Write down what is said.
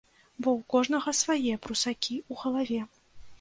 Бо ў кожнага свае прусакі ў галаве.